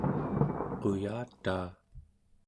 quyataa